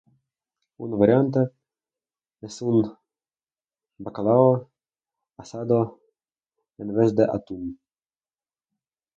Una variante es con bacalao asado en vez de atún.